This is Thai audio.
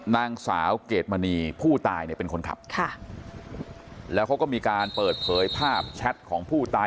นางสาวเกรดมณีผู้ตายเนี่ยเป็นคนขับค่ะแล้วเขาก็มีการเปิดเผยภาพแชทของผู้ตาย